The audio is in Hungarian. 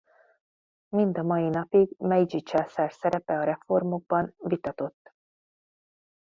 Mind a mai napig Meidzsi császár szerepe a reformokban vitatott.